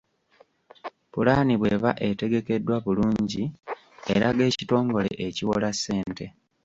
Pulaani bw’eba etegekeddwa bulungi, eraga ekitongole ekiwola ssente.